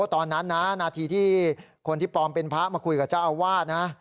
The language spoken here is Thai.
ตอนนั้นนะนาทีที่คนที่ปลอมเป็นพระมาคุยกับเจ้าอาวาสนะ